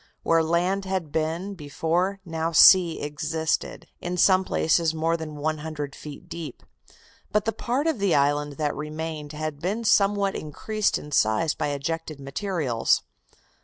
Where land had been before now sea existed, in some places more than one hundred feet deep. But the part of the island that remained had been somewhat increased in size by ejected materials.